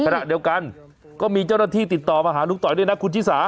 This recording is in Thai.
ขณะเดียวกันก็มีเจ้าหน้าที่ติดต่อมาหาลุงต่อยด้วยนะคุณชิสา